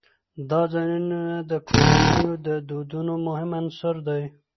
دا ځایونه د کورنیو د دودونو مهم عنصر دی.